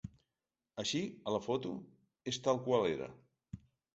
Així, a la foto, és tal qual era.